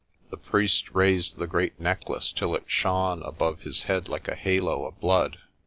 The priest raised the great necklace till it shone above his head like a halo of blood.